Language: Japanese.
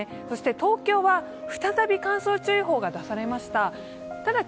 そして東京は再び乾燥注意報が出されました。